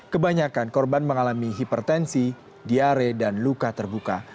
kebanyakan korban mengalami hipertensi diare dan luka terbuka